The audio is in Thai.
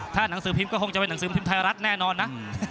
ถ้าหนังสือพิมพ์ก็คงจะเป็นหนังสือพิมพ์ไทยรัฐแน่นอนนะ